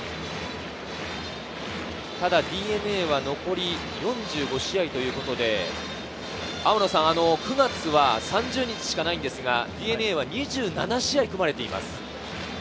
ただＤｅＮＡは残り４５試合ということで、９月は３０日しかないのですが、ＤｅＮＡは２７試合組まれています。